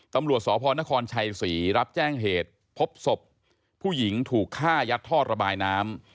ตำรวจสพนครชัยศรีรับแจ้งเหตุพบศพผู้หญิงถูกฆ่ายัดท่อระบายน้ำ